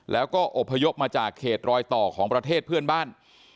แล้วก็อบพยพมาจากเขตรอยต่อของประเทศเพื่อนบ้าน